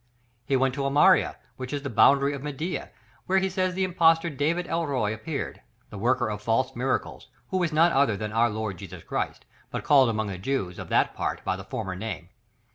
He went to Amaria, which is the boundary of Media, where he says the impostor David el roi appeared, the worker of false miracles, who is none other than our Lord Jesus Christ, but called among the Jews of that part by the former name.